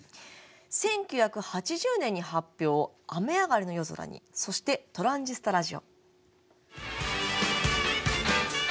１９８０年に発表「雨あがりの夜空に」そして「トランジスタ・ラジオ」。